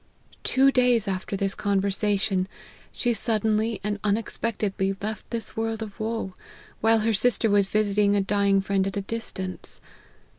Two days after this conversation, she suddenly and unexpectedly left this world of woe, while her sister was visiting a dying friend at a distance.